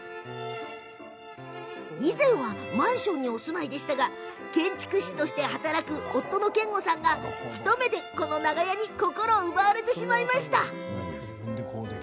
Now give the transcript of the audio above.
以前はマンションに住んでいらっしゃいましたが建築士として働く夫の研吾さんが一目で、この長屋に心奪われました。